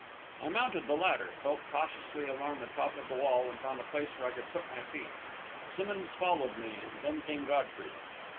I mounted the ladder, felt cautiously along the top of the wall and found a place where I could put my feet; Simmonds followed me, and then came Godfrey.